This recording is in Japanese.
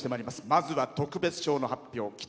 まずは特別賞の発表です。